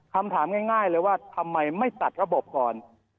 คำถามง่ายเลยว่าทำไมไม่ตัดระบบก่อน